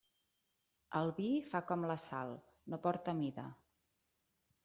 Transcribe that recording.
El vi fa com la sal: no porta mida.